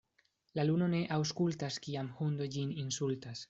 La luno ne aŭskultas, kiam hundo ĝin insultas.